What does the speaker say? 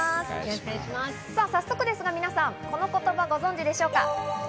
早速ですが皆さんこの言葉ご存知でしょうか？